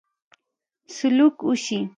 سلوک وشي.